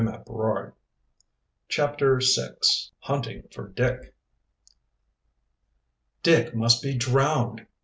CHAPTER VI. HUNTING FOR DICK. "Dick must be drowned."